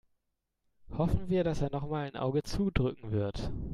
Hoffen wir, dass er nochmal ein Auge zudrücken wird.